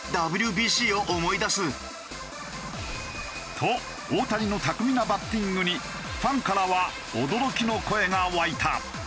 と大谷の巧みなバッティングにファンからは驚きの声が沸いた。